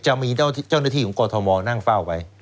จะมีเจ้าหน้าที่ของกรทมนั่งเฝ้าไว้